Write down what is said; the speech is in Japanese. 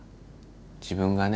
自分がね